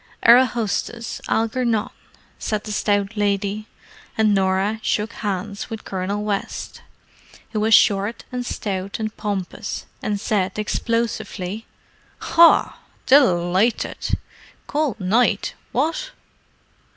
"Our hostess, Algernon," said the stout lady, and Norah shook hands with Colonel West, who was short and stout and pompous, and said explosively, "Haw! Delighted! Cold night, what?"